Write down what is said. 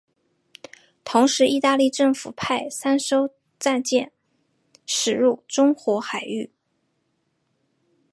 同时意大利政府派三艘战舰驶进中国海域。